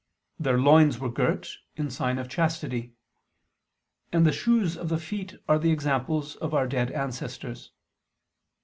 Their loins were girt in sign of chastity: and the shoes of their feet are the examples of our dead ancestors.